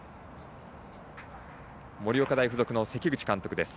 盛岡大付属の関口監督です。